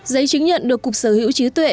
giấy chứng nhận được cục sở hữu chí tuệ